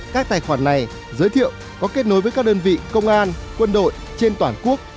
các tài khoản này giới thiệu có kết nối với các đơn vị công an quân đội trên toàn quốc